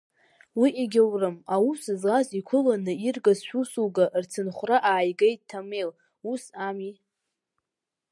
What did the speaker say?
Уи егьаурым, аус злаз иқәыланы иргаз шәусуга рцынхәра ааигеит Ҭамел, ус ами.